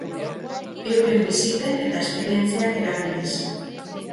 Euren bizipen eta esperientziak erabiliz.